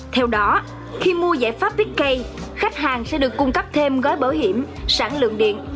theo đó khi mua giải pháp bigk khách hàng sẽ được cung cấp thêm gói bảo hiểm sản lượng điện